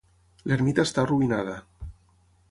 L'ermita està arruïnada.